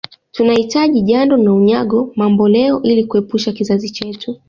Tunahitaji Jando na Unyago mamboleo Ili kuepusha kizazi chetu